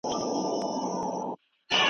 لوستې مور د ماشومانو د اوبو څښلو عادت جوړوي.